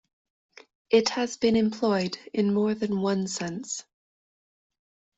It has been employed in more than one sense.